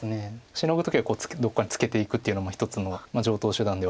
シノぐ時はどっかにツケていくっていうのも一つの常とう手段ではあるんですけども。